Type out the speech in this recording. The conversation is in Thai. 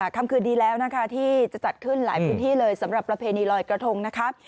คำคืนดีแล้วนะคะที่จะจัดขึ้นหลายพื้นที่เลยสำหรับประเพณีลอยกระทงนะคะ